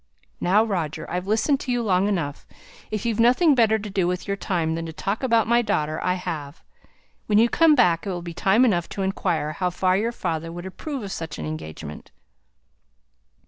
"Now, Roger, I've listened to you long enough. If you've nothing better to do with your time than to talk about my daughter, I have. When you come back it will be time enough to inquire how far your father would approve of such an engagement."